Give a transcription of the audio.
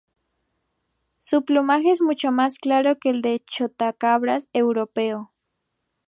Su plumaje es mucho más claro que el del chotacabras europeo.